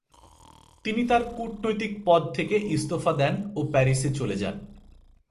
তিনি তাঁর কূটনৈতিক পদ থেকে ইস্তফা দেন ও প্যারিসে চলে যান।